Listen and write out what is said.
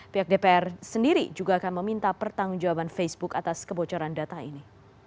pihak dpr sendiri juga akan meminta pertanggung jawaban facebook atas kebocoran data ini